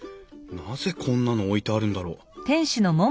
なぜこんなの置いてあるんだろう？